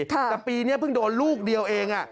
แต่ปีนี้เพิ่งโดนลูกเดียวเอง